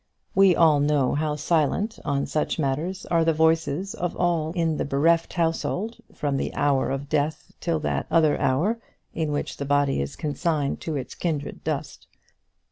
We all know how silent on such matters are the voices of all in the bereft household, from the hour of death till that other hour in which the body is consigned to its kindred dust.